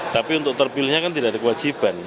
tapi untuk terpilihnya kan tidak ada kewajiban